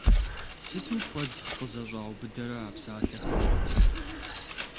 Сыту куэд къызэщӀаубыдэрэ а псалъэхэм!